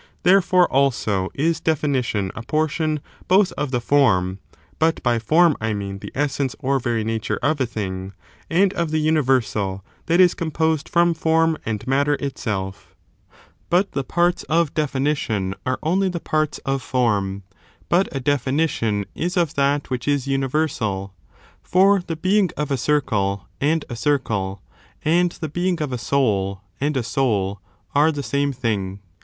Therefore, also, is defi nition a portion both of the form (but by form I mean the essence or very nature of a thing) and of the universal that is composed from form and matter itsell But the parts of definition are only the parts ^ ggcondi of form; but a definition is of that which is regaidsthe' universal : for the being of a circle and a circle, thSg defined and the being of a soul and a soul, are the same entering the de thing.